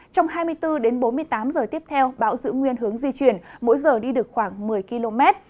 trong hai mươi bốn đến bốn mươi tám giờ tiếp theo bão giữ nguyên hướng di chuyển mỗi giờ đi được khoảng một mươi km